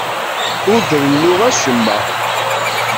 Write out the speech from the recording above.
Ur d-rennuɣ acemma.